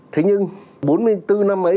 thế nhưng bốn mươi bốn năm ấy